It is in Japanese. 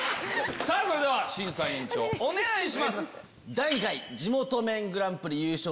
それでは審査員長お願いします。